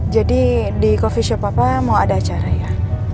jadi di coffee shop apa mau ada acara ya